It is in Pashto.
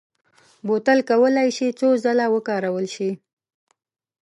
بوتل کولای شي څو ځله وکارول شي.